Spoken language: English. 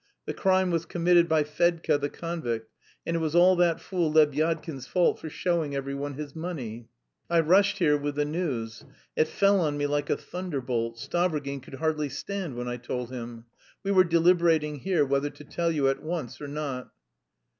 The crime was committed by Fedka the convict, and it was all that fool Lebyadkin's fault for showing every one his money.... I rushed here with the news... it fell on me like a thunderbolt. Stavrogin could hardly stand when I told him. We were deliberating here whether to tell you at once or not?"